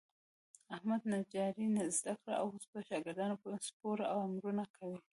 احمد نجاري زده کړه. اوس په شاګردانو سپور امرونه کوي.